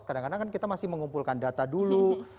kadang kadang kan kita masih mengumpulkan data dulu